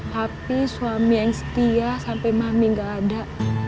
papi suami yang setia sampai mami enggak ada